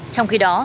trong khi đó